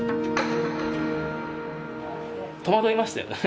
戸惑いましたよね。